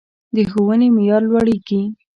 د ښوونې معیار لوړیږي